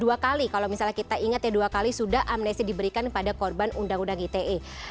dua kali kalau misalnya kita ingat ya dua kali sudah amnesti diberikan pada korban undang undang ite